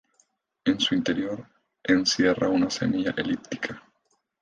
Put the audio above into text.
En su interior encierra una semilla elíptica.